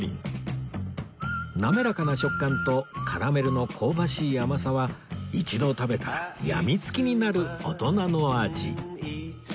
滑らかな食感とカラメルの香ばしい甘さは一度食べたら病み付きになる大人の味